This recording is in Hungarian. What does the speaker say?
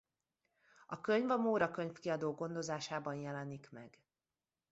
A könyv a Móra Könyvkiadó gondozásában jelenik meg.